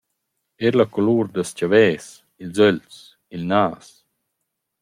Eir la culur dals chavels, ils ögls, il nas.